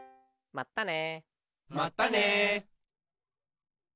まったね。